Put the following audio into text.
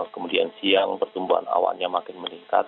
kemudian siang pertumbuhan awannya makin meningkat